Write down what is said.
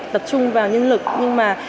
tập trung vào nhân lực nhưng mà